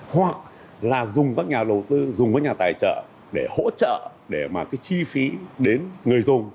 hoặc là dùng các nhà đầu tư dùng các nhà tài trợ để hỗ trợ để mà cái chi phí đến người dùng